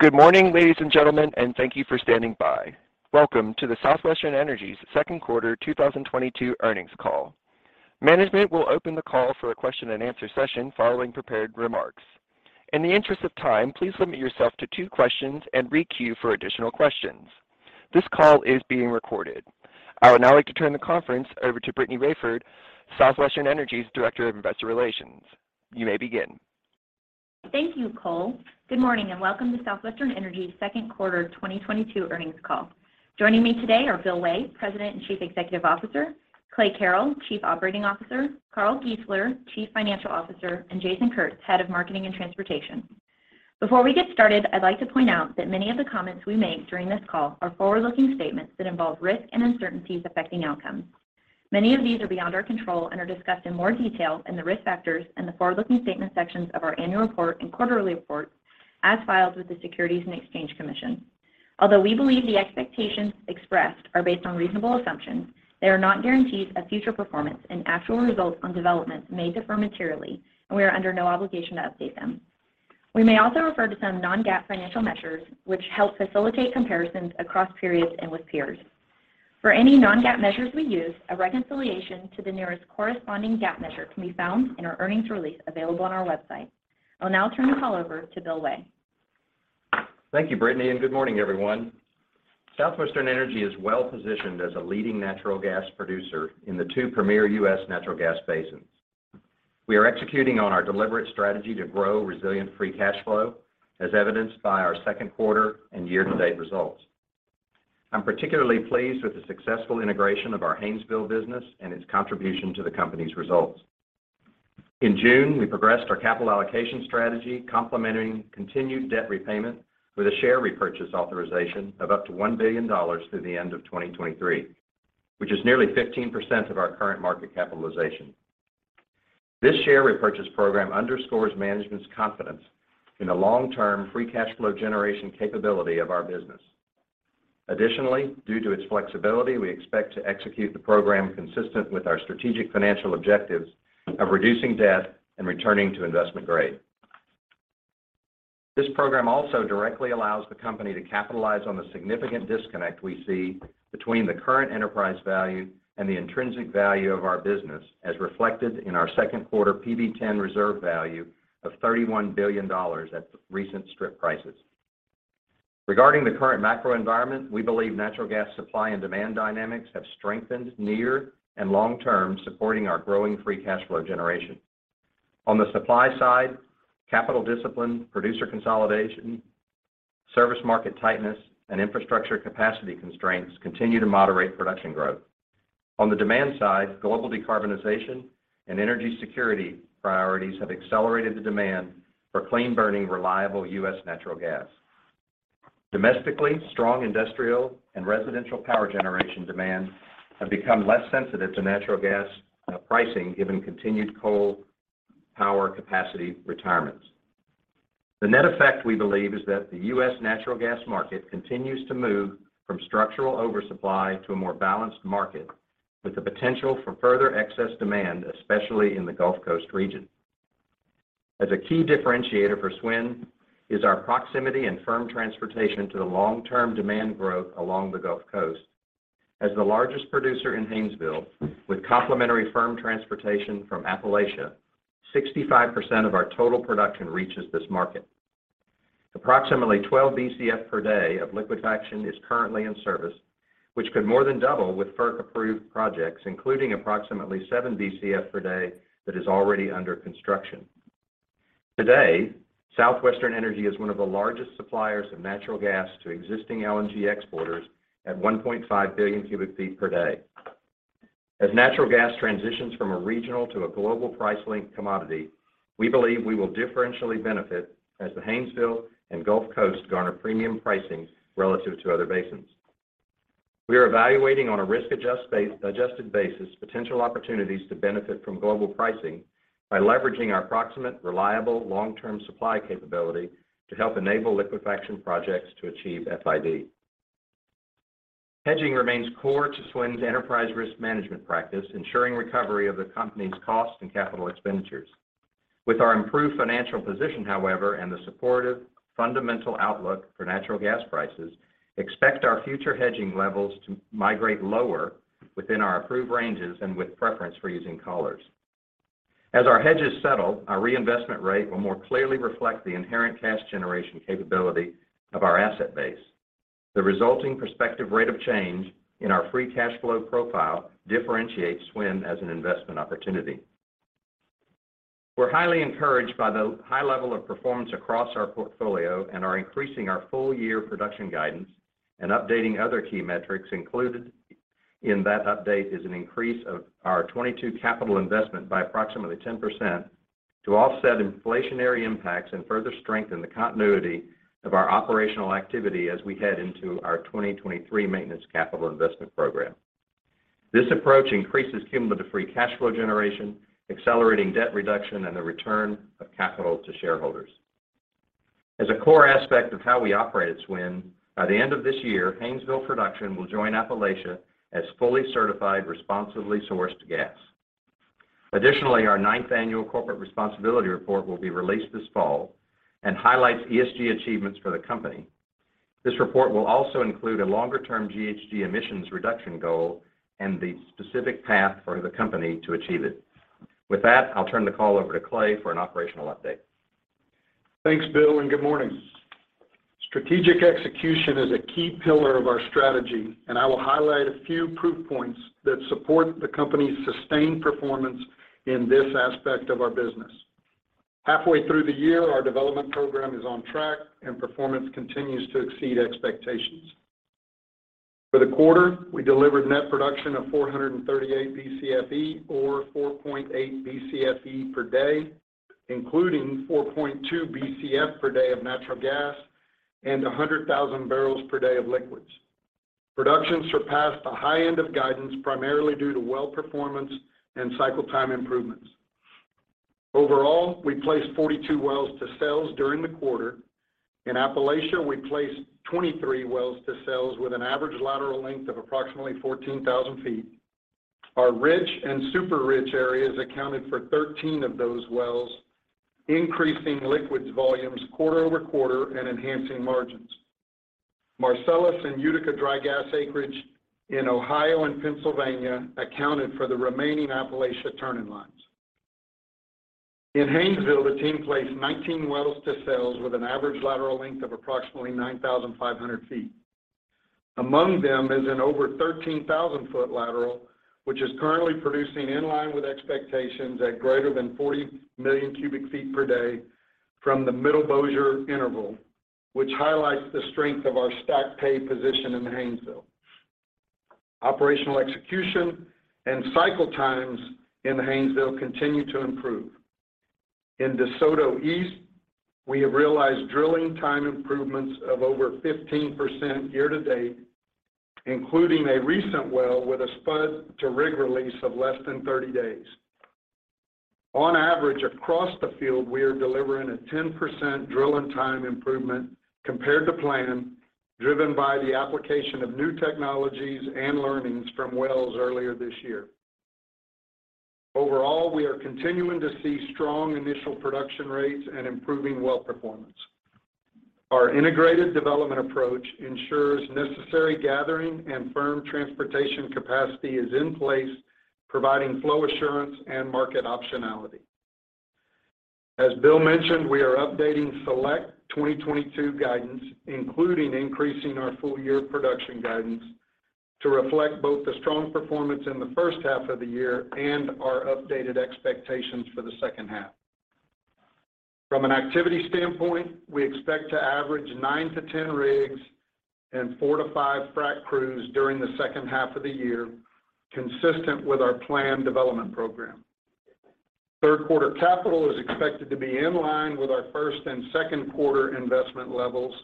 Good morning, ladies and gentlemen, and thank you for standing by. Welcome to the Southwestern Energy's Q2 2022 earnings call. Management will open the call for a question and answer session following prepared remarks. In the interest of time, please limit yourself to two questions and re-queue for additional questions. This call is being recorded. I would now like to turn the conference over to Brittany Raiford, Southwestern Energy's Director of Investor Relations. You may begin. Thank you, Cole. Good morning, and welcome to Southwestern Energy's Q2 2022 earnings call. Joining me today are Bill Way, President and Chief Executive Officer, Clay Carrell, Chief Operating Officer, Carl Giesler, Chief Financial Officer, and Jason Kurtz, Head of Marketing and Transportation. Before we get started, I'd like to point out that many of the comments we make during this call are forward-looking statements that involve risks and uncertainties affecting outcomes. Many of these are beyond our control and are discussed in more detail in the Risk Factors and the Forward-Looking Statements sections of our annual report and quarterly report as filed with the Securities and Exchange Commission. Although we believe the expectations expressed are based on reasonable assumptions, they are not guarantees of future performance, and actual results or developments may differ materially, and we are under no obligation to update them. We may also refer to some non-GAAP financial measures which help facilitate comparisons across periods and with peers. For any non-GAAP measures we use, a reconciliation to the nearest corresponding GAAP measure can be found in our earnings release available on our website. I'll now turn the call over to Bill Way. Thank you, Brittany, and good morning, everyone. Southwestern Energy is well-positioned as a leading natural gas producer in the two premier US natural gas basins. We are executing on our deliberate strategy to grow resilient free cash flow, as evidenced by our Q2 and year-to-date results. I'm particularly pleased with the successful integration of our Haynesville business and its contribution to the company's results. In June, we progressed our capital allocation strategy, complementing continued debt repayment with a share repurchase authorization of up to $1 billion through the end of 2023, which is nearly 15% of our current market capitalization. This share repurchase program underscores management's confidence in the long-term free cash flow generation capability of our business. Additionally, due to its flexibility, we expect to execute the program consistent with our strategic financial objectives of reducing debt and returning to investment grade. This program also directly allows the company to capitalize on the significant disconnect we see between the current enterprise value and the intrinsic value of our business, as reflected in our Q2 PV-10 reserve value of $31 billion at recent strip prices. Regarding the current macro environment, we believe natural gas supply and demand dynamics have strengthened near- and long-term, supporting our growing free cash flow generation. On the supply side, capital discipline, producer consolidation, service market tightness, and infrastructure capacity constraints continue to moderate production growth. On the demand side, global decarbonization and energy security priorities have accelerated the demand for clean-burning, reliable US natural gas. Domestically, strong industrial and residential power generation demand have become less sensitive to natural gas pricing, given continued coal power capacity retirements. The net effect, we believe, is that the US natural gas market continues to move from structural oversupply to a more balanced market with the potential for further excess demand, especially in the Gulf Coast region. As a key differentiator for SWN is our proximity and firm transportation to the long-term demand growth along the Gulf Coast. As the largest producer in Haynesville with complementary firm transportation from Appalachia, 65% of our total production reaches this market. Approximately 12 BCF per day of liquefaction is currently in service, which could more than double with FERC-approved projects, including approximately seven BCF per day that is already under construction. Today, Southwestern Energy is one of the largest suppliers of natural gas to existing LNG exporters at 1.5 billion cubic feet per day. As natural gas transitions from a regional to a global price-linked commodity, we believe we will differentially benefit as the Haynesville and Gulf Coast garner premium pricing relative to other basins. We are evaluating on a risk adjusted basis potential opportunities to benefit from global pricing by leveraging our proximate, reliable, long-term supply capability to help enable liquefaction projects to achieve FID. Hedging remains core to SWN's enterprise risk management practice, ensuring recovery of the company's costs and capital expenditures. With our improved financial position, however, and the supportive fundamental outlook for natural gas prices, expect our future hedging levels to migrate lower within our approved ranges and with preference for using collars. As our hedges settle, our reinvestment rate will more clearly reflect the inherent cash generation capability of our asset base. The resulting prospective rate of change in our free cash flow profile differentiates SWN as an investment opportunity. We're highly encouraged by the high level of performance across our portfolio and are increasing our full year production guidance and updating other key metrics. Included in that update is an increase of our 2022 capital investment by approximately 10% to offset inflationary impacts and further strengthen the continuity of our operational activity as we head into our 2023 maintenance capital investment program. This approach increases cumulative free cash flow generation, accelerating debt reduction, and the return of capital to shareholders. As a core aspect of how we operate at SWN, by the end of this year, Haynesville production will join Appalachia as fully certified, responsibly sourced gas. Additionally, our ninth annual corporate responsibility report will be released this fall and highlights ESG achievements for the company. This report will also include a longer-term GHG emissions reduction goal and the specific path for the company to achieve it. With that, I'll turn the call over to Clay for an operational update. Thanks, Bill, and good morning. Strategic execution is a key pillar of our strategy, and I will highlight a few proof points that support the company's sustained performance in this aspect of our business. Halfway through the year, our development program is on track and performance continues to exceed expectations. For the quarter, we delivered net production of 438 BCFE or 4.8 BCFE per day, including 4.2 BCF per day of natural gas and 100,000 barrels per day of liquids. Production surpassed the high end of guidance, primarily due to well performance and cycle time improvements. Overall, we placed 42 wells to sales during the quarter. In Appalachia, we placed 23 wells to sales with an average lateral length of approximately 14,000 feet. Our rich and super rich areas accounted for 13 of those wells, increasing liquids volumes quarter-over-quarter and enhancing margins. Marcellus and Utica dry gas acreage in Ohio and Pennsylvania accounted for the remaining Appalachia turning lines. In Haynesville, the team placed 19 wells to sales with an average lateral length of approximately 9,500 ft. Among them is an over 13,000 ft lateral, which is currently producing in line with expectations at greater than 40 million cubic feet per day from the Middle Bossier interval, which highlights the strength of our stack pay position in Haynesville. Operational execution and cycle times in Haynesville continue to improve. In DeSoto East, we have realized drilling time improvements of over 15% year-to-date, including a recent well with a spud to rig release of less than 30 days. On average, across the field, we are delivering a 10% drilling time improvement compared to plan, driven by the application of new technologies and learnings from wells earlier this year. Overall, we are continuing to see strong initial production rates and improving well performance. Our integrated development approach ensures necessary gathering and firm transportation capacity is in place, providing flow assurance and market optionality. As Bill mentioned, we are updating select 2022 guidance, including increasing our full year production guidance to reflect both the strong performance in the first half of the year and our updated expectations for the second half. From an activity standpoint, we expect to average nine to 10 rigs and four to five frack crews during the second half of the year, consistent with our plan development program. Q3 capital is expected to be in line with our first and Q2 investment levels,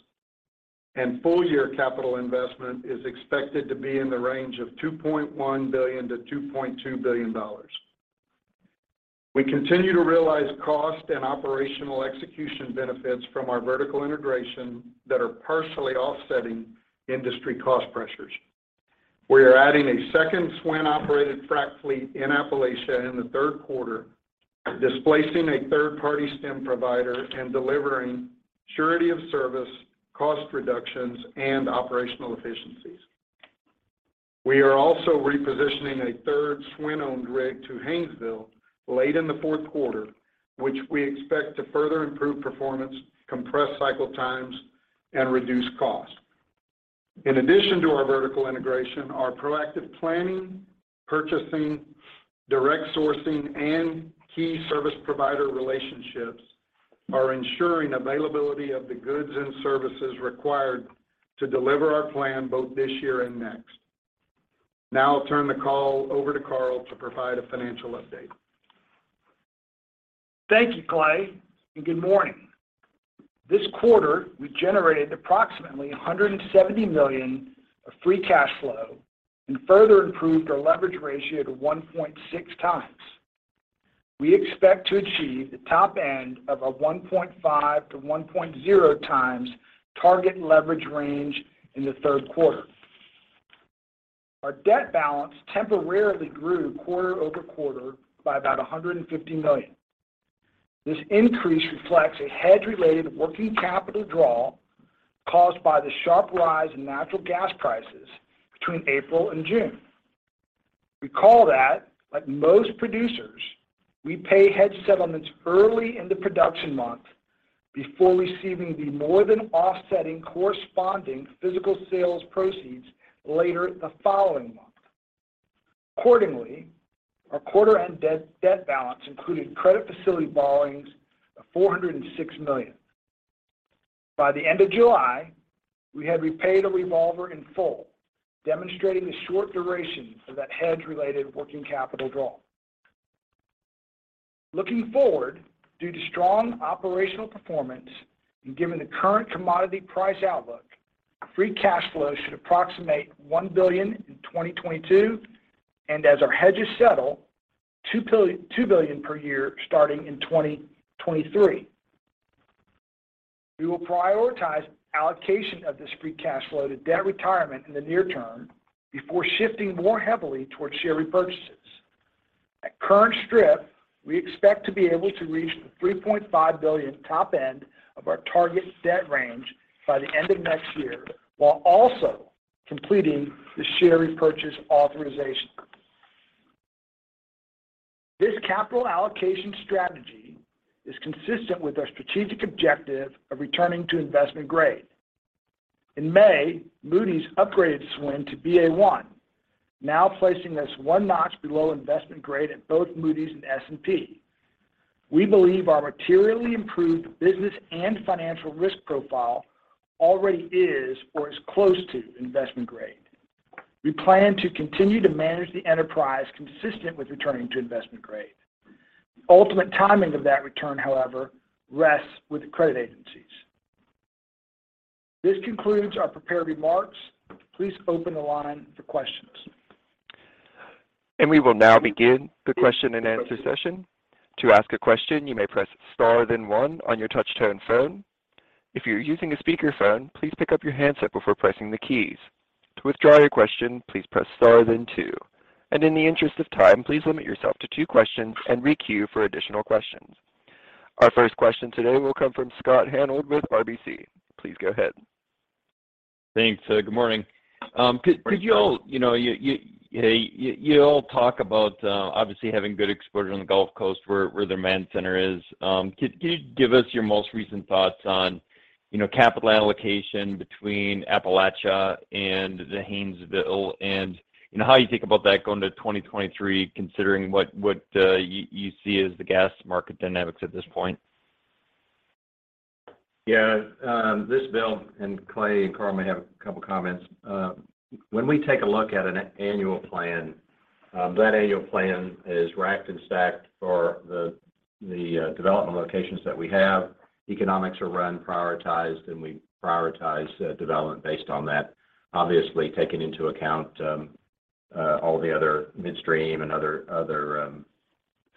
and full year capital investment is expected to be in the range of $2.1 billion to $2.2 billion. We continue to realize cost and operational execution benefits from our vertical integration that are partially offsetting industry cost pressures. We are adding a second SWN-operated frack fleet in Appalachia in the Q3, displacing a third-party stim provider and delivering surety of service, cost reductions, and operational efficiencies. We are also repositioning a third SWN-owned rig to Haynesville late in the Q4, which we expect to further improve performance, compress cycle times, and reduce costs. In addition to our vertical integration, our proactive planning, purchasing, direct sourcing, and key service provider relationships are ensuring availability of the goods and services required to deliver our plan both this year and next. Now I'll turn the call over to Carl to provide a financial update. Thank you, Clay, and good morning. This quarter, we generated approximately $170 million of free cash flow and further improved our leverage ratio to 1.6x. We expect to achieve the top end of a 1.5x to 1.0x target leverage range in the Q3. Our debt balance temporarily grew quarter-over-quarter by about $150 million. This increase reflects a hedge-related working capital draw caused by the sharp rise in natural gas prices between April and June. Recall that like most producers, we pay hedge settlements early in the production month before receiving the more than offsetting corresponding physical sales proceeds later the following month. Accordingly, our quarter-end debt balance included credit facility borrowings of $406 million. By the end of July, we had repaid the revolver in full, demonstrating the short duration of that hedge-related working capital draw. Looking forward, due to strong operational performance and given the current commodity price outlook, free cash flow should approximate $1 billion in 2022, and as our hedges settle, $2.2 Billion per year starting in 2023. We will prioritize allocation of this free cash flow to debt retirement in the near term before shifting more heavily towards share repurchases. At current strip, we expect to be able to reach the $3.5 billion top end of our target debt range by the end of next year while also completing the share repurchase authorization. This capital allocation strategy is consistent with our strategic objective of returning to investment grade. In May, Moody's upgraded SWN to Ba1, now placing us one notch below investment grade at both Moody's and S&P. We believe our materially improved business and financial risk profile already is or is close to investment grade. We plan to continue to manage the enterprise consistent with returning to investment grade. The ultimate timing of that return, however, rests with the credit agencies. This concludes our prepared remarks. Please open the line for questions. We will now begin the question and answer session. To ask a question, you may press star then one on your touch-tone phone. If you're using a speakerphone, please pick up your handset before pressing the keys. To withdraw your question, please press star then two. In the interest of time, please limit yourself to two questions and re-queue for additional questions. Our first question today will come from Scott Hanold with RBC. Please go ahead. Thanks. Good morning. Could you all, you know, talk about obviously having good exposure on the Gulf Coast where the demand center is. Could you give us your most recent thoughts on, you know, capital allocation between Appalachia and the Haynesville and, you know, how you think about that going to 2023, considering what you see as the gas market dynamics at this point? Yeah. This is Bill, and Clay and Carl may have a couple of comments. When we take a look at an annual plan, that annual plan is racked and stacked for the development locations that we have. Economics are run, prioritized, and we prioritize development based on that, obviously taking into account all the other midstream and other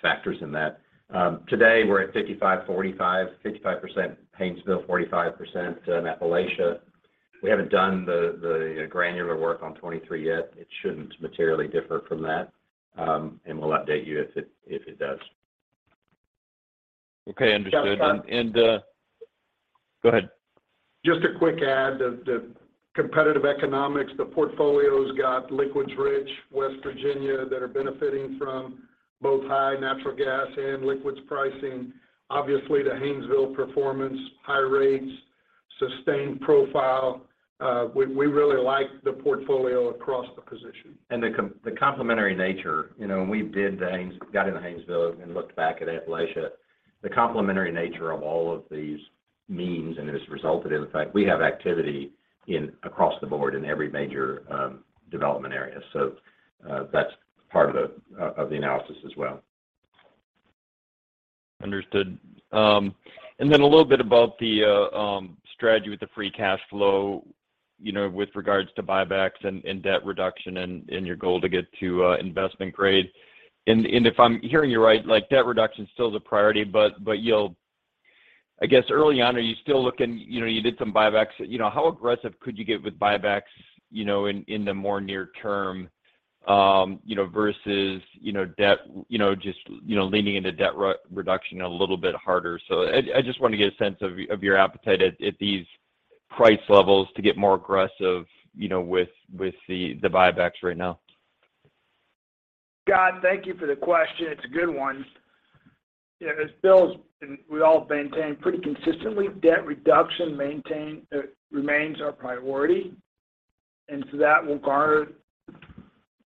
factors in that. Today we're at 55,45, 55% Haynesville, 45% in Appalachia. We haven't done the granular work on 2023 yet. It shouldn't materially differ from that, and we'll update you if it does. Okay. Understood. Go ahead. Just a quick add. The competitive economics, the portfolio's got liquids rich West Virginia that are benefiting from both high natural gas and liquids pricing. Obviously, the Haynesville performance, high rates, sustained profile. We really like the portfolio across the position. The complementary nature. You know, when we got into Haynesville and looked back at Appalachia, the complementary nature of all of these means, and has resulted in the fact we have activity across the board in every major development area. That's part of the analysis as well. Understood. A little bit about the strategy with the free cash flow, you know, with regards to buybacks and debt reduction and your goal to get to investment grade. If I'm hearing you right, like, debt reduction is still the priority, but I guess early on, are you still looking? You know, you did some buybacks. You know, how aggressive could you get with buybacks, you know, in the more near term, you know, versus, you know, debt, you know, just, you know, leaning into debt reduction a little bit harder. I just want to get a sense of your appetite at these price levels to get more aggressive, you know, with the buybacks right now. Scott, thank you for the question. It's a good one. We all maintain pretty consistently, debt reduction remains our priority. That will guard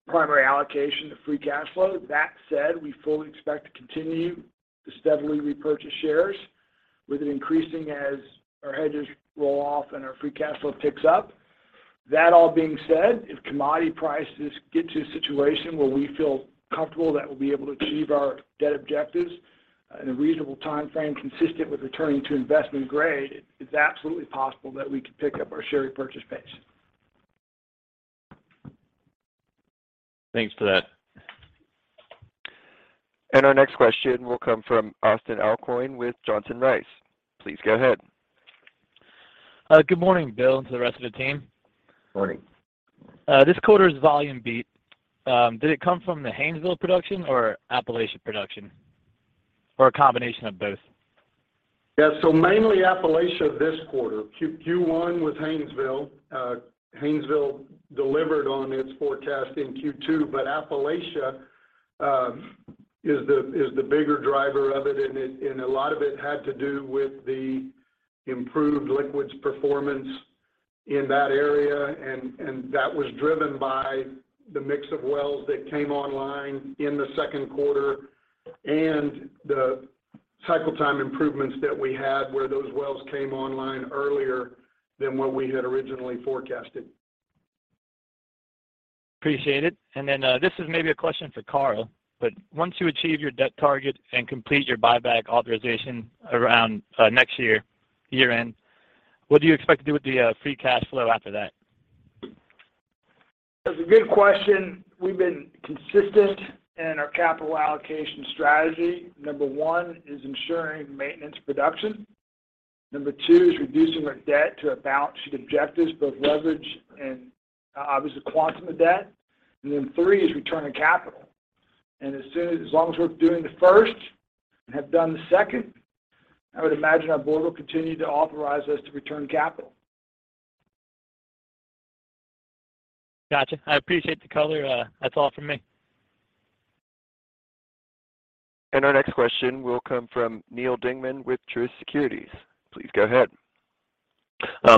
primary allocation to free cash flow. That said, we fully expect to continue to steadily repurchase shares with an increasing as our hedges roll off and our free cash flow picks up. That all being said, if commodity prices get to a situation where we feel comfortable that we'll be able to achieve our debt objectives in a reasonable time frame consistent with returning to investment grade, it's absolutely possible that we could pick up our share repurchase pace. Thanks for that. Our next question will come from Austin Alcorn with Johnson Rice. Please go ahead. Good morning, Bill, and to the rest of the team. Morning. This quarter's volume beat, did it come from the Haynesville production or Appalachia production, or a combination of both? Yeah. Mainly Appalachia this quarter. Q1 was Haynesville. Haynesville delivered on its forecast in Q2, but Appalachia is the bigger driver of it, and a lot of it had to do with the improved liquids performance in that area, and that was driven by the mix of wells that came online in the Q2 and the cycle time improvements that we had where those wells came online earlier than what we had originally forecasted. Appreciate it. This is maybe a question for Carl, but once you achieve your debt target and complete your buyback authorization around next year year-end, what do you expect to do with the free cash flow after that? It's a good question. We've been consistent in our capital allocation strategy. Number one is ensuring maintenance production. Number two is reducing our debt to a balance sheet objectives, both leverage and obviously quantum of debt. Three is returning capital. As long as we're doing the first and have done the second, I would imagine our board will continue to authorize us to return capital. Gotcha. I appreciate the color. That's all from me. Our next question will come from Neal Dingmann with Truist Securities. Please go ahead.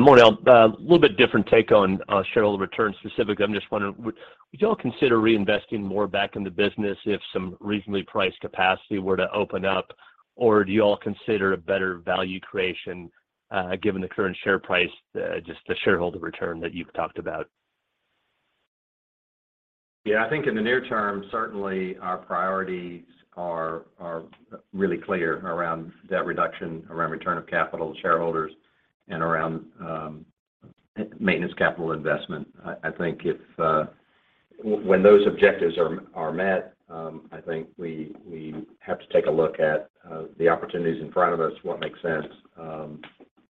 Morning, all. A little bit different take on shareholder return specific. I'm just wondering, would y'all consider reinvesting more back in the business if some reasonably priced capacity were to open up? Or do you all consider a better value creation, given the current share price, just the shareholder return that you've talked about? Yeah. I think in the near term, certainly our priorities are really clear around debt reduction, around return of capital to shareholders, and around maintenance capital investment. I think if when those objectives are met, I think we have to take a look at the opportunities in front of us, what makes sense,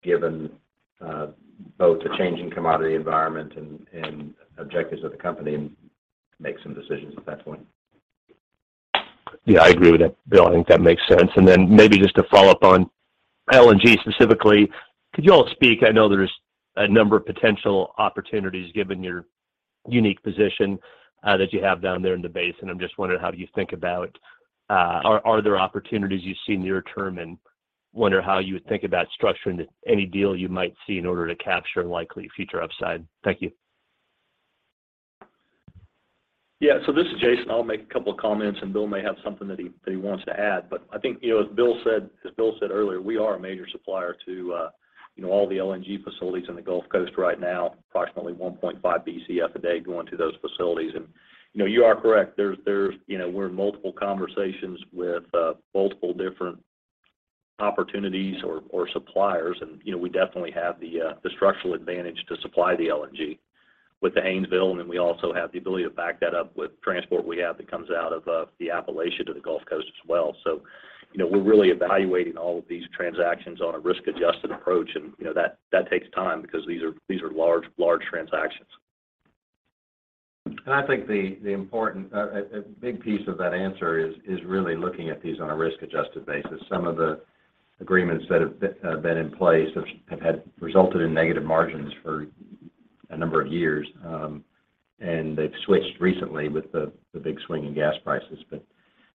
given both the changing commodity environment and objectives of the company and make some decisions at that point. Yeah, I agree with that, Bill. I think that makes sense. Maybe just to follow up on LNG specifically. I know there's a number of potential opportunities given your unique position that you have down there in the basin. I'm just wondering. Are there opportunities you see near term and wonder how you would think about structuring any deal you might see in order to capture likely future upside? Thank you. Yeah. This is Jason. I'll make a couple of comments, and Bill may have something that he wants to add. I think, you know, as Bill said earlier, we are a major supplier to, you know, all the LNG facilities in the Gulf Coast right now, approximately 1.5 BCF per day going to those facilities. You know, you are correct. There's. You know, we're in multiple conversations with, multiple different opportunities or suppliers and, you know, we definitely have the structural advantage to supply the LNG with the Haynesville, and then we also have the ability to back that up with transport we have that comes out of the Appalachia to the Gulf Coast as well. You know, we're really evaluating all of these transactions on a risk-adjusted approach. You know, that takes time because these are large transactions. I think a big piece of that answer is really looking at these on a risk-adjusted basis. Some of the agreements that have been in place have had resulted in negative margins for a number of years, and they've switched recently with the big swing in gas prices.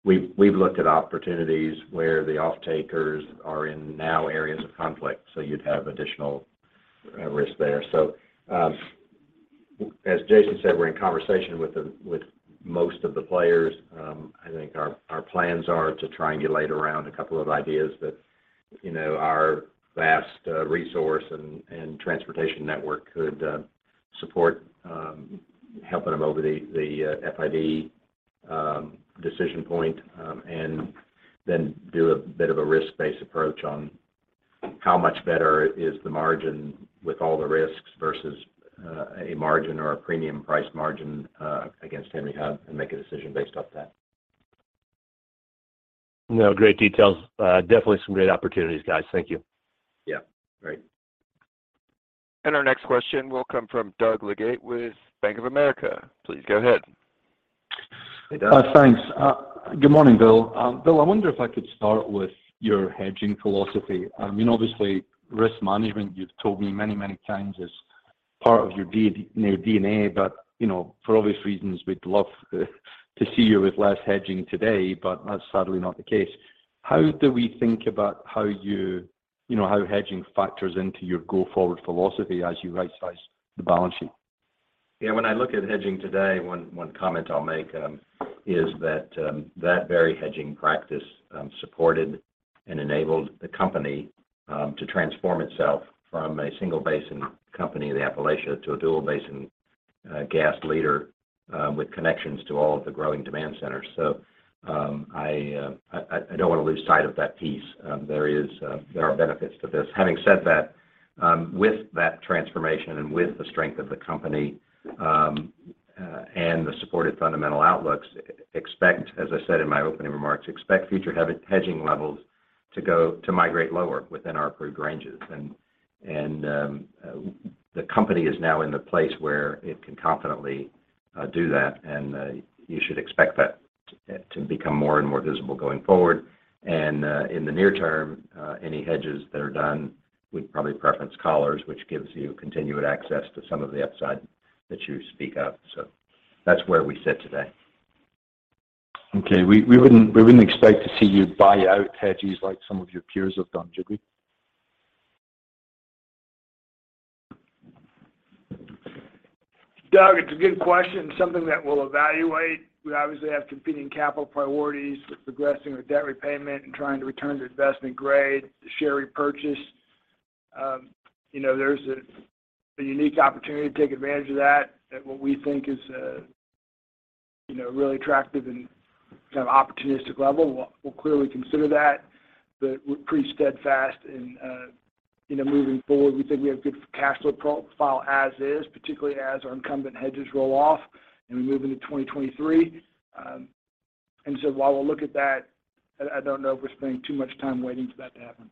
We've looked at opportunities where the off-takers are in areas of conflict, so you'd have additional risk there. As Jason said, we're in conversation with most of the players. I think our plans are to triangulate around a couple of ideas that, you know, our vast resource and transportation network could support, helping them over the FID decision point, and then do a bit of a risk-based approach on how much better is the margin with all the risks versus a margin or a premium price margin against Henry Hub, and make a decision based off that. No, great details. Definitely some great opportunities, guys. Thank you. Yeah. Great. Our next question will come from Doug Leggate with Bank of America. Please go ahead. Hey, Doug. Thanks. Good morning, Bill. Bill, I wonder if I could start with your hedging philosophy. I mean, obviously risk management, you've told me many, many times is part of your DNA, but you know, for obvious reasons, we'd love to see you with less hedging today, but that's sadly not the case. How do we think about how you know, how hedging factors into your go-forward philosophy as you right-size the balance sheet? Yeah, when I look at hedging today, one comment I'll make is that that very hedging practice supported and enabled the company to transform itself from a single basin company in Appalachia to a dual basin gas leader with connections to all of the growing demand centers. I don't want to lose sight of that piece. There are benefits to this. Having said that, with that transformation and with the strength of the company and the supported fundamental outlooks, expect, as I said in my opening remarks, future hedging levels to migrate lower within our approved ranges. The company is now in the place where it can confidently do that, and you should expect that to become more and more visible going forward. In the near term, any hedges that are done, we'd probably prefer collars, which gives you continued access to some of the upside that you speak of. That's where we sit today. Okay. We wouldn't expect to see you buy out hedges like some of your peers have done, do we? Doug, it's a good question. Something that we'll evaluate. We obviously have competing capital priorities with progressing with debt repayment and trying to return to investment grade, the share repurchase. You know, there's a unique opportunity to take advantage of that at what we think is a. You know, really attractive and kind of opportunistic level, we'll clearly consider that. We're pretty steadfast in you know, moving forward. We think we have good cash flow profile as is, particularly as our incumbent hedges roll off and we move into 2023. While we'll look at that, I don't know if we're spending too much time waiting for that to happen.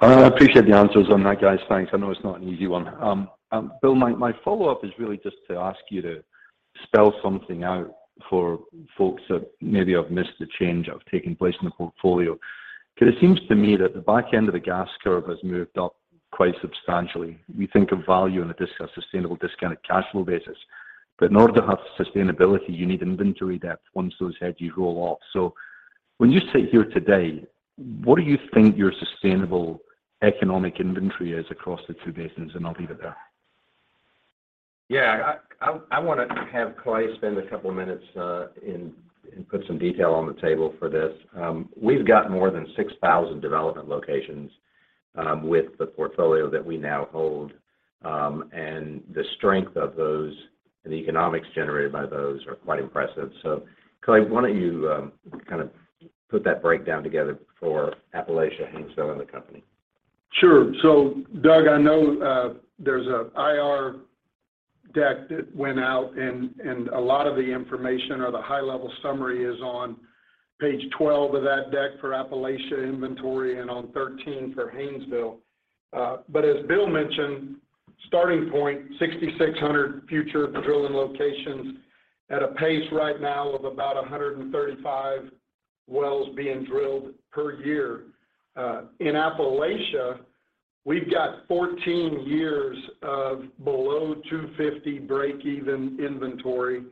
I appreciate the answers on that, guys. Thanks. I know it's not an easy one. Bill, my follow-up is really just to ask you to spell something out for folks that maybe have missed the change that have taken place in the portfolio. Because it seems to me that the back end of the gas curve has moved up quite substantially. We think of value in a sustainable discounted cash flow basis. In order to have sustainability, you need inventory depth once those hedges roll off. When you sit here today, what do you think your sustainable economic inventory is across the two basins? I'll leave it there. Yeah. I wanna have Clay spend a couple of minutes and put some detail on the table for this. We've got more than 6,000 development locations with the portfolio that we now hold, and the strength of those and the economics generated by those are quite impressive. Clay, why don't you kind of put that breakdown together for Appalachia, Haynesville, and the company? Sure. Doug, I know there's a IR deck that went out and a lot of the information or the high-level summary is on page 12 of that deck for Appalachia inventory and on 13 for Haynesville. But as Bill mentioned, starting point, 6,600 future drilling locations at a pace right now of about 135 wells being drilled per year. In Appalachia, we've got 14 years of below $250 breakeven inventory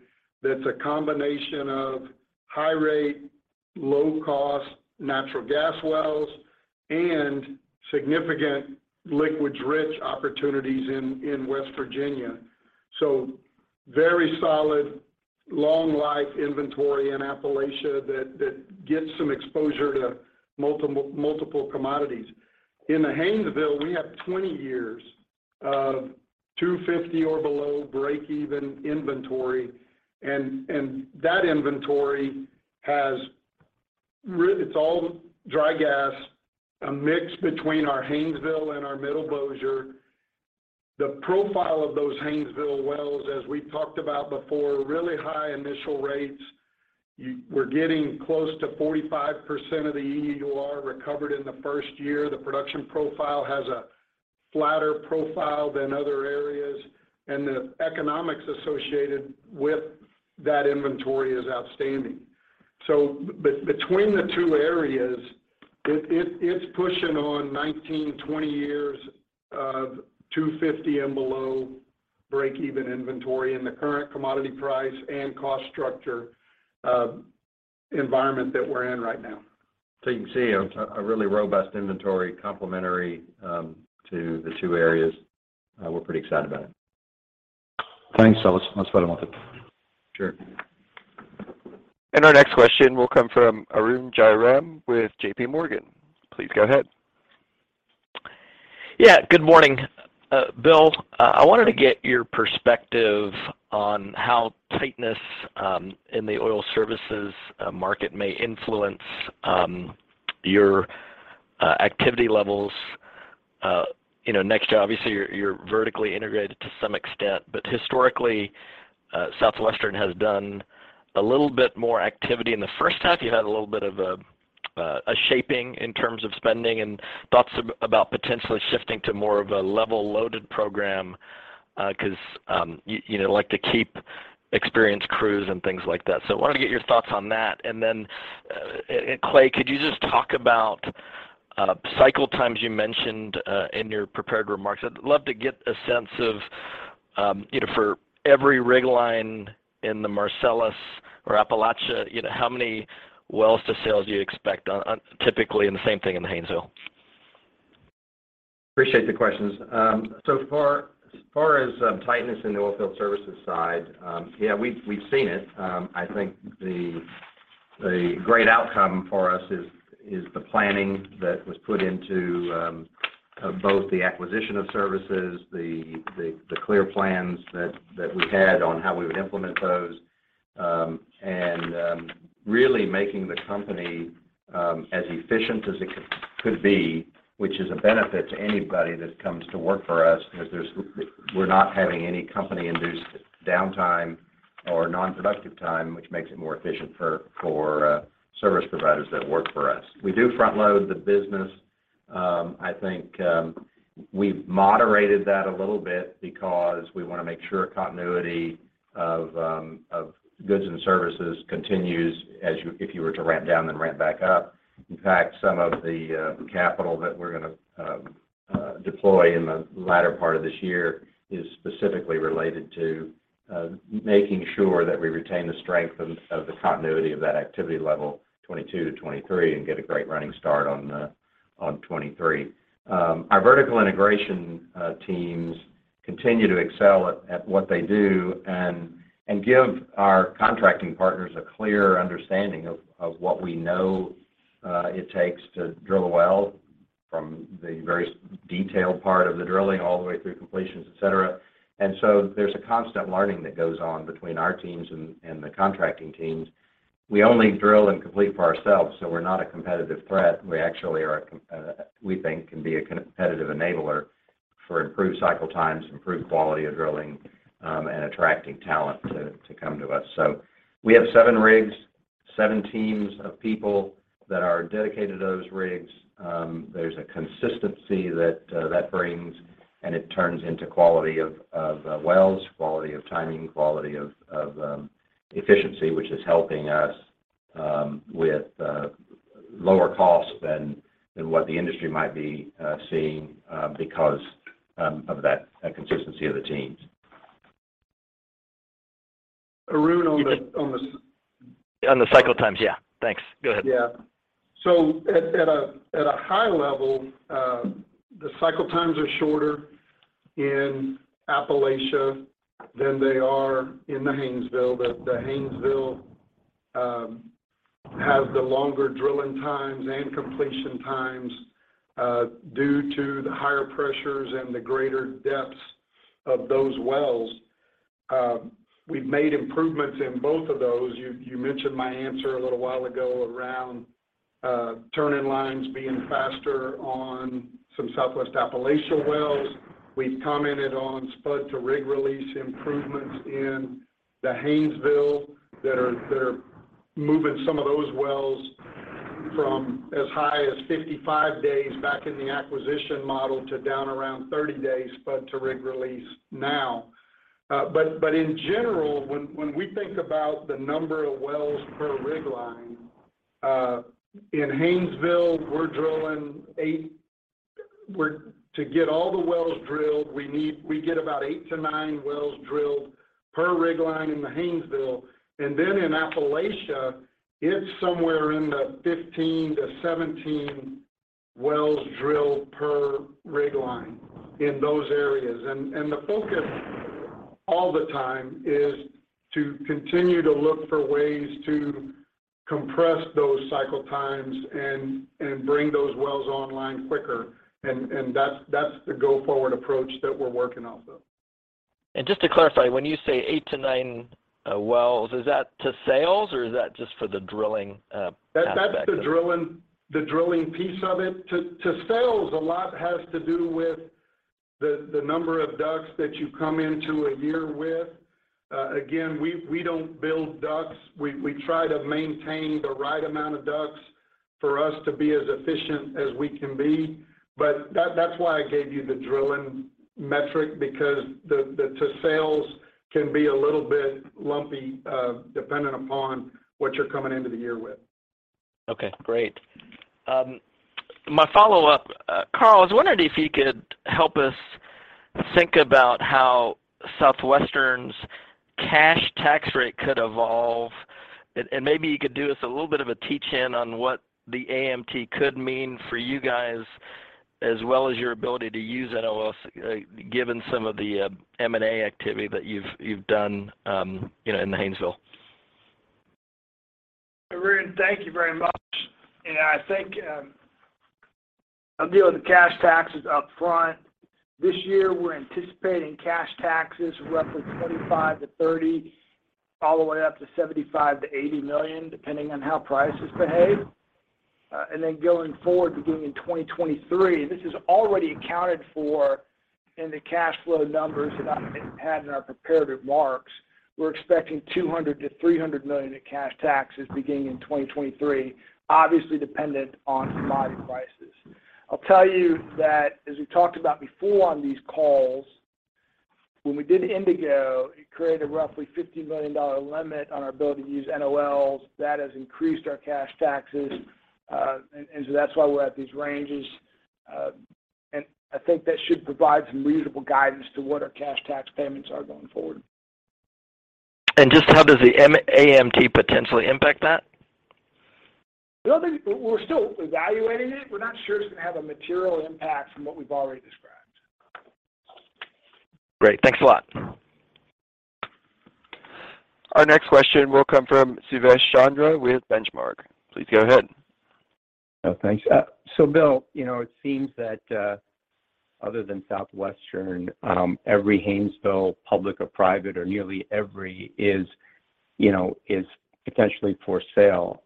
that's a combination of high rate, low cost natural gas wells and significant liquids-rich opportunities in West Virginia. Very solid long-life inventory in Appalachia that gets some exposure to multiple commodities. In the Haynesville, we have 20 years of $2.50 or below break even inventory and that inventory it's all dry gas, a mix between our Haynesville and our Middle Bossier. The profile of those Haynesville wells, as we've talked about before, really high initial rates. We're getting close to 45% of the EUR recovered in the first year. The production profile has a flatter profile than other areas, and the economics associated with that inventory is outstanding. Between the two areas, it's pushing on 19 or 20 years of $2.50 and below break even inventory in the current commodity price and cost structure, environment that we're in right now. You can see a really robust inventory complementary to the two areas. We're pretty excited about it. Thanks. That's very helpful. Sure. Our next question will come from Arun Jayaram with JPMorgan. Please go ahead. Yeah. Good morning. Bill, I wanted to get your perspective on how tightness in the oil services market may influence your activity levels, you know, next year. Obviously, you're vertically integrated to some extent, but historically, Southwestern has done a little bit more activity in the first half. You had a little bit of a shaping in terms of spending and thoughts about potentially shifting to more of a level loaded program, cause you know like to keep experienced crews and things like that. So I wanted to get your thoughts on that. Clay, could you just talk about cycle times you mentioned in your prepared remarks? I'd love to get a sense of, you know, for every rig line in the Marcellus or Appalachia, you know, how many wells to sales do you expect on typically, and the same thing in the Haynesville? Appreciate the questions. So far, as far as tightness in the oilfield services side, yeah, we've seen it. I think the great outcome for us is the planning that was put into both the acquisition of services, the clear plans that we had on how we would implement those, and really making the company as efficient as it could be, which is a benefit to anybody that comes to work for us 'cause we're not having any company-induced downtime or non-productive time, which makes it more efficient for service providers that work for us. We do front load the business. I think we've moderated that a little bit because we wanna make sure continuity of goods and services continues as if you were to ramp down then ramp back up. In fact, some of the capital that we're gonna deploy in the latter part of this year is specifically related to making sure that we retain the strength of the continuity of that activity level 2022 to 2023 and get a great running start on 2023. Our vertical integration teams continue to excel at what they do and give our contracting partners a clear understanding of what we know it takes to drill a well. From the very detailed part of the drilling all the way through completions, et cetera. There's a constant learning that goes on between our teams and the contracting teams. We only drill and complete for ourselves, so we're not a competitive threat. We actually are we think can be a competitive enabler for improved cycle times, improved quality of drilling, and attracting talent to come to us. We have seven rigs, seven teams of people that are dedicated to those rigs. There's a consistency that brings, and it turns into quality of wells, quality of timing, quality of efficiency, which is helping us with lower costs than what the industry might be seeing because of that consistency of the teams. Arun. On the cycle times, yeah. Thanks. Go ahead. Yeah. At a high level, the cycle times are shorter in Appalachia than they are in the Haynesville. The Haynesville has the longer drilling times and completion times due to the higher pressures and the greater depths of those wells. We've made improvements in both of those. You mentioned my answer a little while ago around turning lines being faster on some Southwest Appalachia wells. We've commented on spud to rig release improvements in the Haynesville that are moving some of those wells from as high as 55 days back in the acquisition model to down around 30 days spud to rig release now. In general, when we think about the number of wells per rig line in Haynesville, we're drilling eight... To get all the wells drilled, we get about eight to nine wells drilled per rig line in the Haynesville. Then in Appalachia, it's somewhere in the 15 to 17 wells drilled per rig line in those areas. The focus all the time is to continue to look for ways to compress those cycle times and bring those wells online quicker, and that's the go-forward approach that we're working off of. Just to clarify, when you say eight to nine wells, is that to sales, or is that just for the drilling aspect of it? That's the drilling piece of it to sales, a lot has to do with the number of DUCs that you come into a year with. Again, we don't build DUCs. We try to maintain the right amount of DUCs for us to be as efficient as we can be. That's why I gave you the drilling metric because the to sales can be a little bit lumpy, dependent upon what you're coming into the year with. Okay, great. My follow-up, Carl, I was wondering if you could help us think about how Southwestern's cash tax rate could evolve. Maybe you could do us a little bit of a teach-in on what the AMT could mean for you guys as well as your ability to use NOLs, given some of the M&A activity that you've done, you know, in the Haynesville. Arun, thank you very much. I think, I'll deal with the cash taxes up front. This year, we're anticipating cash taxes roughly 25 to 30, all the way up to $75 million to $80 million, depending on how prices behave. And then going forward, beginning in 2023, this is already accounted for in the cash flow numbers that I had in our prepared remarks. We're expecting $200 million to $300 million in cash taxes beginning in 2023, obviously dependent on commodity prices. I'll tell you that as we talked about before on these calls, when we did Indigo, it created a roughly $50 million limit on our ability to use NOLs. That has increased our cash taxes. So that's why we're at these ranges. I think that should provide some reasonable guidance to what our cash tax payments are going forward. Just how does the AMT potentially impact that? I don't think. We're still evaluating it. We're not sure it's gonna have a material impact from what we've already described. Great. Thanks a lot. Our next question will come from Subash Chandra with Benchmark. Please go ahead. Oh, thanks. Bill, it seems that other than Southwestern, every Haynesville public or private or nearly every is potentially for sale.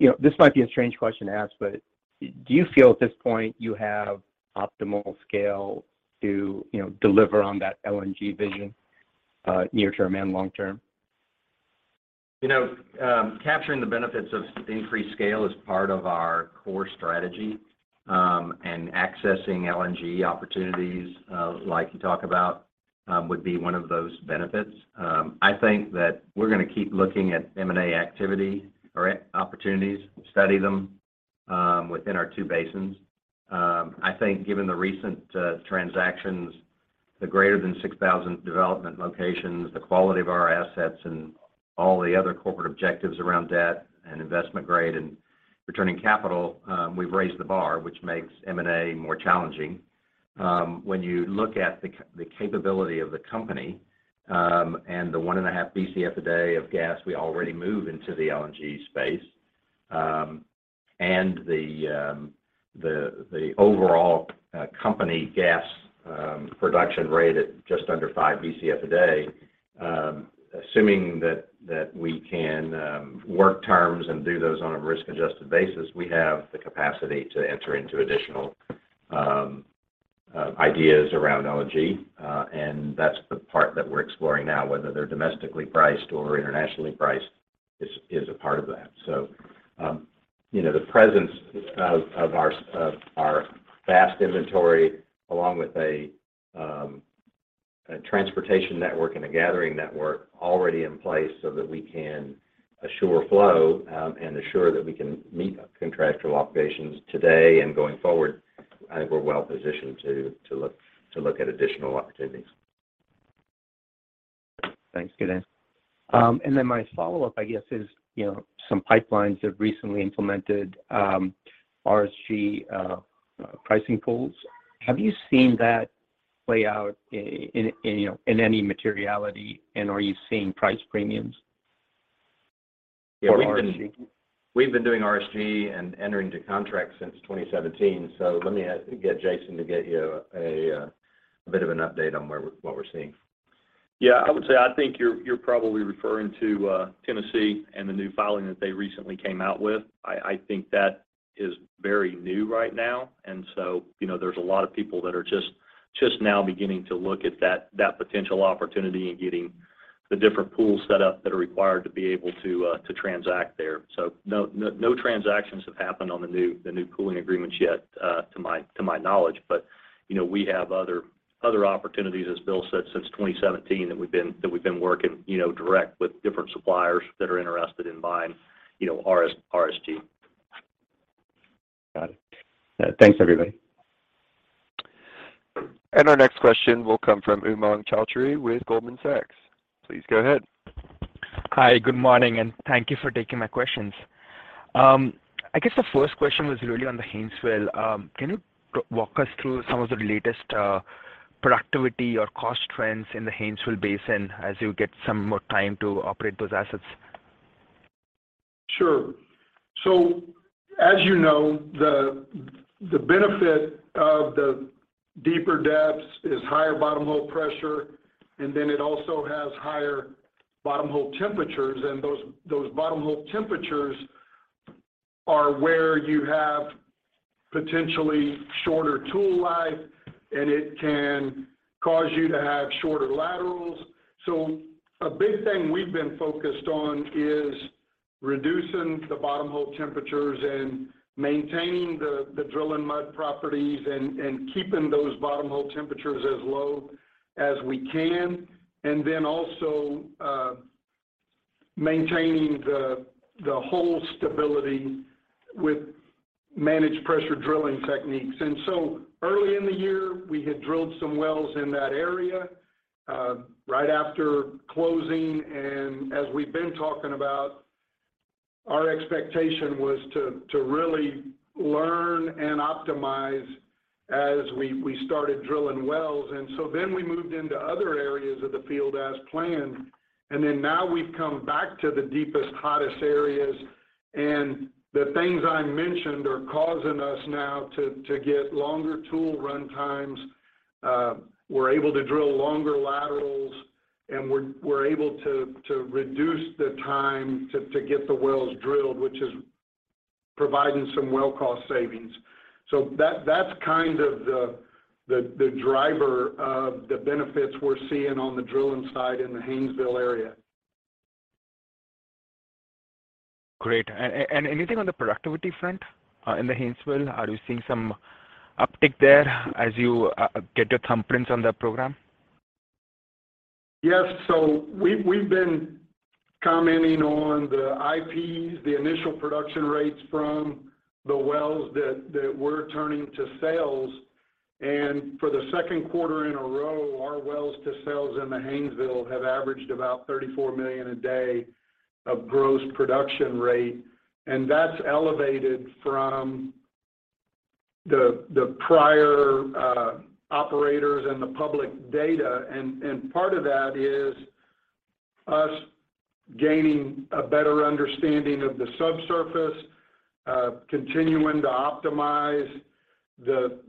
This might be a strange question to ask, but do you feel at this point you have optimal scale to deliver on that LNG vision, near term and long term? You know, capturing the benefits of increased scale is part of our core strategy, and accessing LNG opportunities, like you talk about, would be one of those benefits. I think that we're gonna keep looking at M&A activity or opportunities, study them, within our two basins. I think given the recent transactions, the greater than 6,000 development locations, the quality of our assets and all the other corporate objectives around debt and investment grade and returning capital, we've raised the bar, which makes M&A more challenging. When you look at the capability of the company and the 1.5 BCF per day of gas we already move into the LNG space and the overall company gas production rate at just under five BCF per day, assuming that we can work terms and do those on a risk-adjusted basis, we have the capacity to enter into additional ideas around LNG. That's the part that we're exploring now, whether they're domestically priced or internationally priced is a part of that. You know, the presence of our vast inventory along with a transportation network and a gathering network already in place so that we can assure flow, and assure that we can meet contractual obligations today and going forward, I think we're well positioned to look at additional activities. Thanks. Good answer. My follow-up I guess is, you know, some pipelines have recently implemented RSG pricing pools. Have you seen that play out in, you know, in any materiality, and are you seeing price premiums for RSG? Yeah, we've been doing RSG and entering into contracts since 2017. Let me get Jason to get you a bit of an update on what we're seeing. Yeah. I would say I think you're probably referring to Tennessee and the new filing that they recently came out with. I think that is very new right now, and so, you know, there's a lot of people that are just now beginning to look at that potential opportunity and getting the different pools set up that are required to be able to transact there. So no transactions have happened on the new pooling agreements yet, to my knowledge. You know, we have other opportunities, as Bill said, since 2017 that we've been working direct with different suppliers that are interested in buying, you know, RSG. Got it. Thanks everybody. Our next question will come from Umang Choudhary with Goldman Sachs. Please go ahead. Hi. Good morning, and thank you for taking my questions. I guess the first question was really on the Haynesville. Can you walk us through some of the latest productivity or cost trends in the Haynesville Basin as you get some more time to operate those assets? Sure. As you know, the benefit of the deeper depths is higher bottom hole pressure, and then it also has higher bottom hole temperatures. Those bottom hole temperatures are where you have potentially shorter tool life, and it can cause you to have shorter laterals. A big thing we've been focused on is reducing the bottom hole temperatures and maintaining the drilling mud properties and keeping those bottom hole temperatures as low as we can, and then also maintaining the whole stability with managed pressure drilling techniques. Early in the year, we had drilled some wells in that area right after closing. As we've been talking about, our expectation was to really learn and optimize as we started drilling wells. We moved into other areas of the field as planned, and then now we've come back to the deepest, hottest areas. The things I mentioned are causing us now to get longer tool run times. We're able to drill longer laterals, and we're able to reduce the time to get the wells drilled, which is providing some well cost savings. That's kind of the driver of the benefits we're seeing on the drilling side in the Haynesville area. Great. Anything on the productivity front, in the Haynesville? Are you seeing some uptick there as you get your thumbprints on the program? Yes. We've been commenting on the IPs, the initial production rates from the wells that we're turning to sales. For the Q2 in a row, our wells to sales in the Haynesville have averaged about $34 million a day of gross production rate, and that's elevated from the prior operators and the public data. Part of that is us gaining a better understanding of the subsurface, continuing to optimize the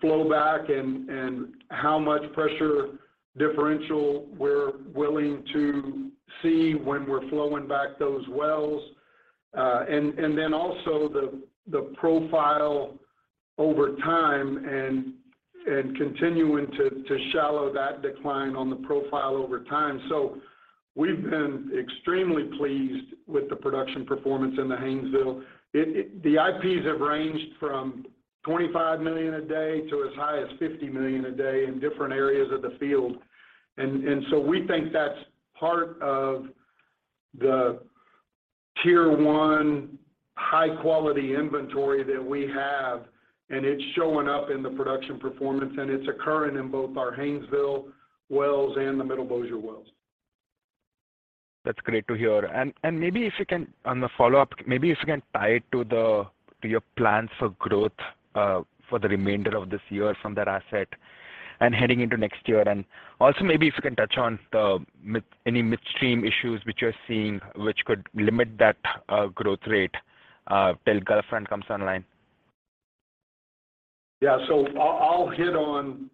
flow back and how much pressure differential we're willing to see when we're flowing back those wells, and then also the profile over time and continuing to shallow that decline on the profile over time. We've been extremely pleased with the production performance in the Haynesville. The IPs have ranged from 25 million a day to as high as 50 million a day in different areas of the field. We think that's part of the tier one high quality inventory that we have, and it's showing up in the production performance, and it's occurring in both our Haynesville wells and the Middle Bossier wells. That's great to hear. Maybe on the follow-up, if you can tie it to your plans for growth for the remainder of this year from that asset and heading into next year. Also maybe if you can touch on any midstream issues which you're seeing which could limit that growth rate till Gulf Run comes online. Yeah. I'll hit on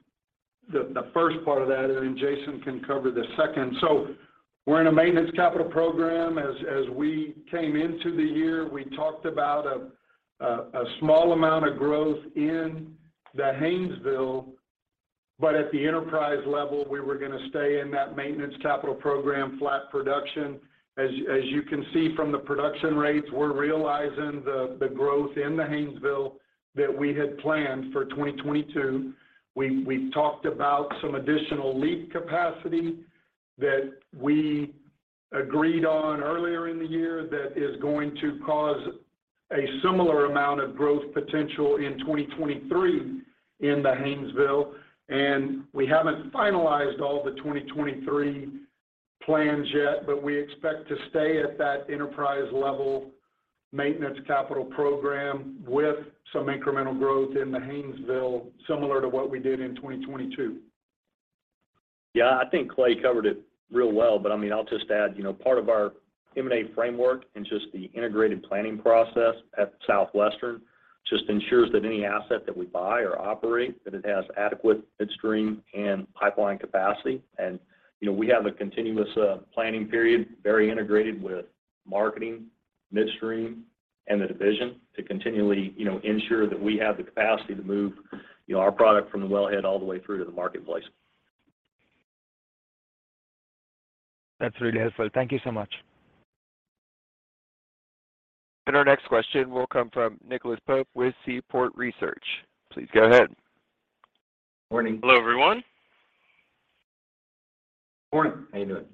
the first part of that, and then Jason can cover the second. We're in a maintenance capital program. As we came into the year, we talked about a small amount of growth in the Haynesville. At the enterprise level, we were gonna stay in that maintenance capital program, flat production. As you can see from the production rates, we're realizing the growth in the Haynesville that we had planned for 2022. We've talked about some additional, like, capacity that we agreed on earlier in the year that is going to cause a similar amount of growth potential in 2023 in the Haynesville. We haven't finalized all the 2023 plans yet, but we expect to stay at that enterprise level maintenance capital program with some incremental growth in the Haynesville, similar to what we did in 2022. Yeah. I think Clay covered it real well. I mean, I'll just add, you know, part of our M&A framework and just the integrated planning process at Southwestern just ensures that any asset that we buy or operate, that it has adequate midstream and pipeline capacity. We have a continuous, planning period, very integrated with marketing, midstream, and the division to continually, you know, ensure that we have the capacity to move, you know, our product from the wellhead all the way through to the marketplace. That's really helpful. Thank you so much. Our next question will come from Nicholas Pope with Seaport Research. Please go ahead. Morning. Hello, everyone. Morning. How you doing?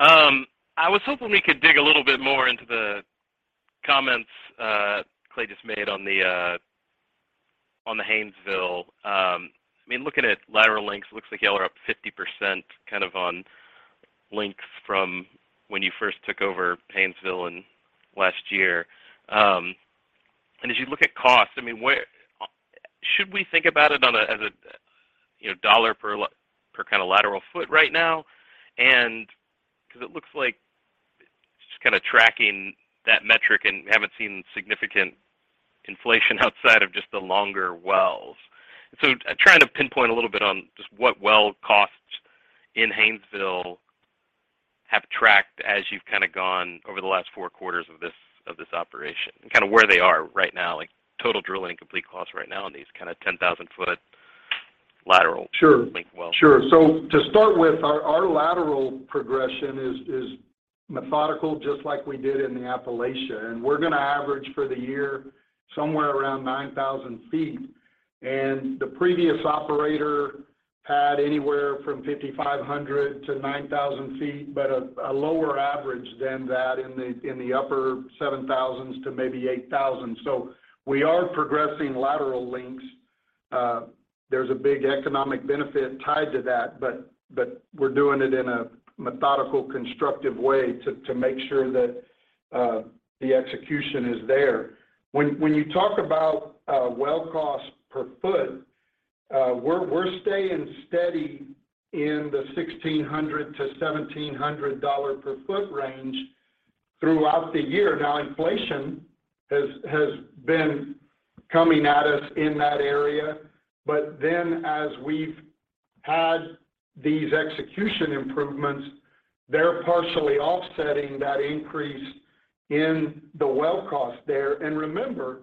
I was hoping we could dig a little bit more into the comments Clay just made on the Haynesville. I mean, looking at lateral lengths, it looks like y'all are up 50% kind of on lengths from when you first took over Haynesville last year. And as you look at cost, I mean, where should we think about it as a, you know, dollar per kind of lateral foot right now? Because it looks like just kind of tracking that metric, and we haven't seen significant inflation outside of just the longer wells. Trying to pinpoint a little bit on just what well costs in Haynesville have tracked as you've kind of gone over the last four quarters of this operation and kind of where they are right now. Like, total drilling and completion costs right now on these kind of 10,000 ft lateral length wells. Sure. To start with, our lateral progression is methodical just like we did in the Appalachia. We're gonna average for the year somewhere around 9,000 ft. The previous operator had anywhere from 5,500 ft to 9,000 ft, but a lower average than that in the upper 7,000 ft to maybe 8,000 ft. We are progressing lateral lengths. There's a big economic benefit tied to that, but we're doing it in a methodical, constructive way to make sure that the execution is there. When you talk about well cost per foot, we're staying steady in the $1,600 to $1,700 per foot range throughout the year. Now inflation has been coming at us in that area. As we've had these execution improvements, they're partially offsetting that increase in the well cost there. Remember,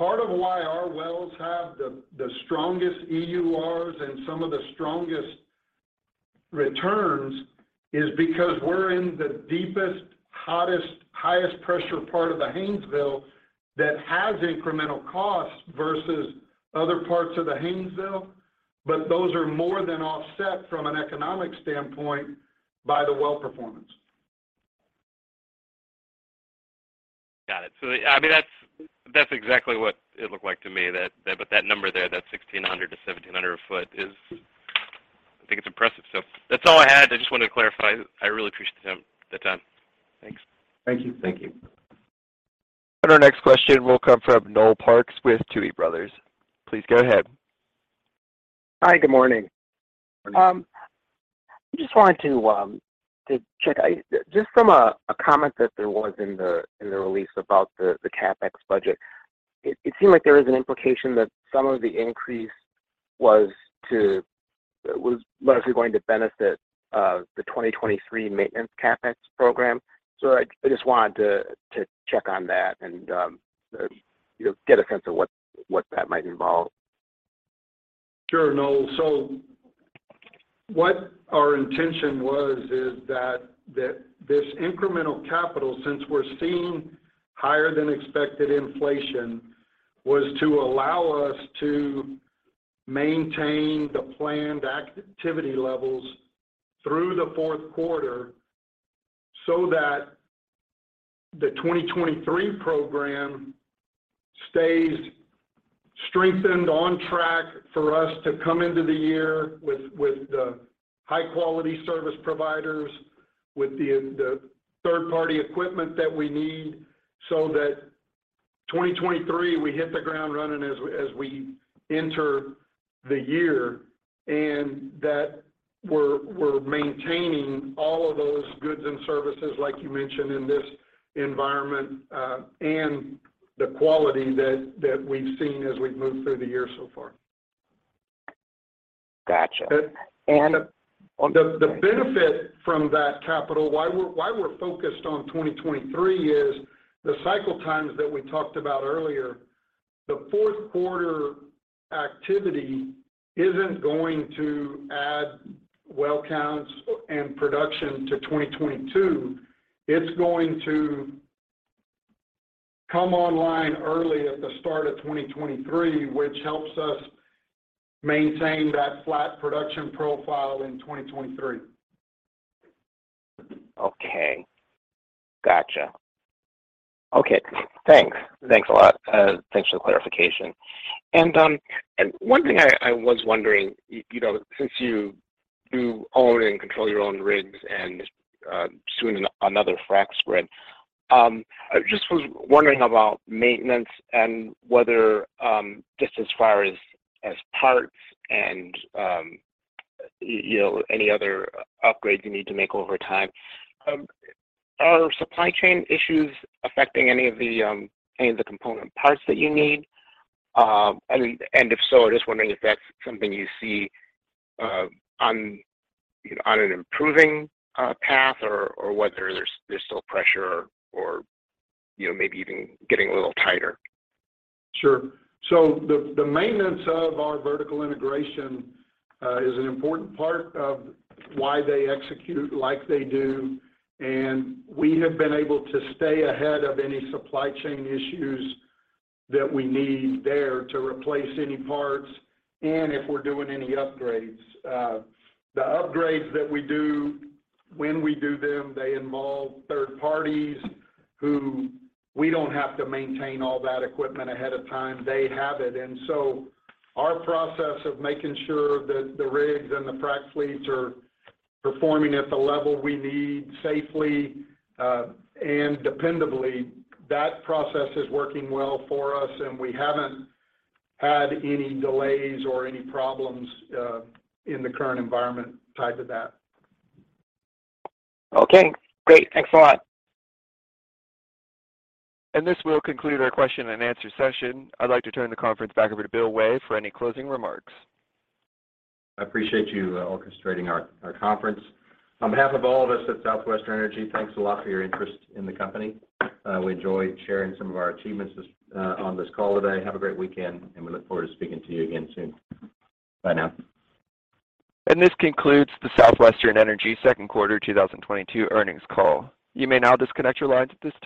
part of why our wells have the strongest EURs and some of the strongest returns is because we're in the deepest, hottest, highest pressure part of the Haynesville that has incremental costs versus other parts of the Haynesville. Those are more than offset from an economic standpoint by the well performance. Got it. I mean, that's exactly what it looked like to me. That number there, that $1,600 to $1,700 a foot is, I think it's impressive. That's all I had. I just wanted to clarify. I really appreciate it, Tim, the time. Thanks. Thank you. Thank you. Our next question will come from Noel Parks with Tuohy Brothers. Please go ahead. Hi. Good morning. Morning. I just wanted to check. Just from a comment that there was in the release about the CapEx budget, it seemed like there was an implication that some of the increase was mostly going to benefit the 2023 maintenance CapEx program. I just wanted to check on that and you know get a sense of what that might involve. Sure, Noel. What our intention was is that this incremental capital, since we're seeing higher than expected inflation, was to allow us to maintain the planned activity levels through the Q4 so that the 2023 program stays strengthened on track for us to come into the year with the high-quality service providers, with the third-party equipment that we need so that 2023, we hit the ground running as we enter the year. We're maintaining all of those goods and services like you mentioned in this environment, and the quality that we've seen as we've moved through the year so far. Gotcha. The benefit from that capital, why we're focused on 2023 is the cycle times that we talked about earlier. The Q4 activity isn't going to add well counts and production to 2022. It's going to come online early at the start of 2023, which helps us maintain that flat production profile in 2023. Okay. Gotcha. Okay. Thanks. Thanks a lot. Thanks for the clarification. One thing I was wondering, you know, since you do own and control your own rigs and, soon another frac spread, I just was wondering about maintenance and whether, just as far as, parts and, you know, any other upgrades you need to make over time. Are supply chain issues affecting any of the component parts that you need? If so, I'm just wondering if that's something you see on an improving path or whether there's still pressure or, you know, maybe even getting a little tighter. Sure. The maintenance of our vertical integration is an important part of why they execute like they do, and we have been able to stay ahead of any supply chain issues that we need there to replace any parts and if we're doing any upgrades. The upgrades that we do, when we do them, they involve third parties who we don't have to maintain all that equipment ahead of time. They have it. Our process of making sure that the rigs and the frac fleets are performing at the level we need safely and dependably, that process is working well for us, and we haven't had any delays or any problems in the current environment type of that. Okay, great. Thanks a lot. This will conclude our question and answer session. I'd like to turn the conference back over to Bill Way for any closing remarks. I appreciate you orchestrating our conference. On behalf of all of us at Southwestern Energy, thanks a lot for your interest in the company. We enjoyed sharing some of our achievements on this call today. Have a great weekend, and we look forward to speaking to you again soon. Bye now. This concludes the Southwestern Energy Q2 2022 earnings call. You may now disconnect your lines at this time.